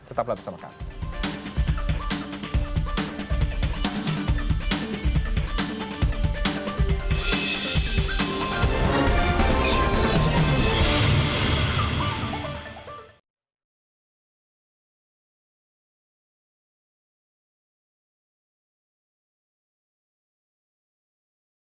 tetap berlatih sama kami